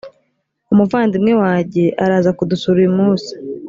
umuvandimwe wajye araza ku dusura uyu munsi